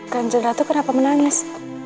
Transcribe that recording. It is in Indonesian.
kajang ratu kenapa menangis